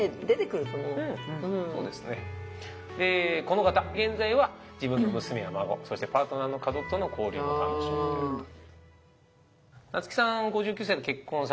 この方現在は自分の娘や孫そしてパートナーの家族との交流も楽しんでるという。